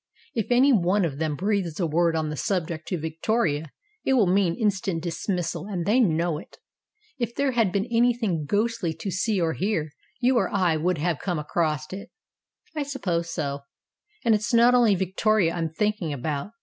If any one of them breathes a word on the subject to Victoria it will mean instant dismissal, and they know it. If there had been anything ghostly to see or hear, you or I would have come across it." "I suppose so." "And it's not only Victoria I'm thinking about.